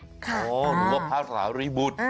โอ้โมคราณะพระสารีบุตร